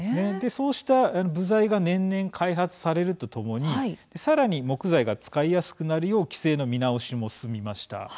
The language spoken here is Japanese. そうした部材が年々、開発されるとともにさらに木材が使いやすくなるよう規制の見直しも進みました。